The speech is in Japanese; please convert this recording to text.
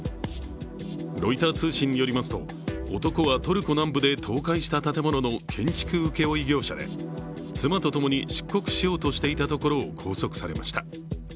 ロイター通信によりますと男はトルコ南部で倒壊した建物の建築請負業者で、妻と共に出国しようとしていたところを拘束されました。